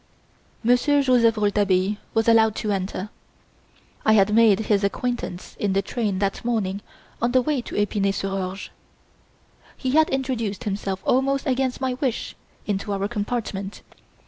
Monsieur Joseph Rouletabille was allowed to enter. I had made his acquaintance in the train that morning on the way to Epinay sur Orge. He had introduced himself almost against my wish into our compartment.